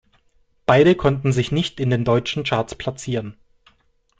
Beide konnten sich nicht in den deutschen Charts platzieren.